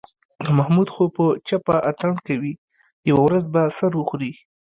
محمود خو په چپه اتڼ کوي، یوه ورځ به سر وخوري.